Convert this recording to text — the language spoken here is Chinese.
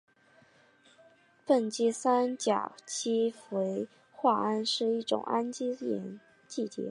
苯基三甲基氟化铵是一种季铵盐。